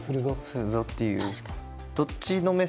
するぞっていう。